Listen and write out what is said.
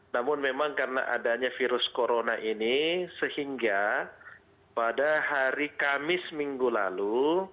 namun memang karena adanya virus corona ini sehingga pada hari kamis minggu lalu